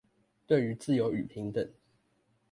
對於自由與平等